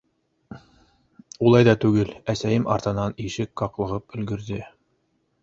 Улай ҙа түгел, әсәйем артынан ишек ҡаҡлығып өлгөрҙө.